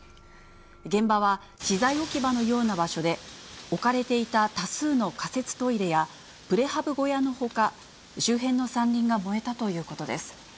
現場は資材置き場のような場所で、置かれていた多数の仮設トイレや、プレハブ小屋のほか、周辺の山林が燃えたということです。